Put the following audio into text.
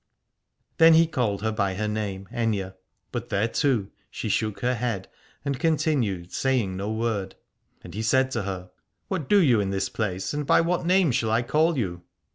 Then he called her by her name, Aithne : but thereto she shook her head and continued saying no word. And he said to her : What do you in this place, and by what name shall I call you